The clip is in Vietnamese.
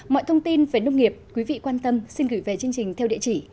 mọi thông tin về nông nghiệp quý vị quan tâm xin gửi về chương trình theo địa chỉ